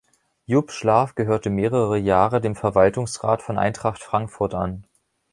Jupp Schlaf gehörte mehrere Jahre dem Verwaltungsrat von Eintracht Frankfurt an.